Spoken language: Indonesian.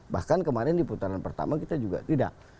bahkan kemarin di putaran pertama kita juga tidak